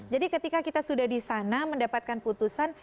jadi ketika kita sudah di sana mendapatkan putusan